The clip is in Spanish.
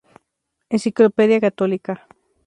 Enciclopedia Católica.